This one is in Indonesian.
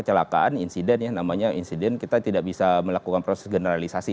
kecelakaan insiden ya namanya insiden kita tidak bisa melakukan proses generalisasi